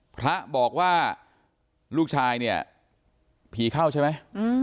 พระบอกว่าลูกชายเนี่ยผีเข้าใช่ไหม